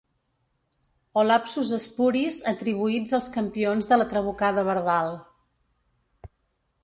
O lapsus espuris atribuïts als campions de la trabucada verbal.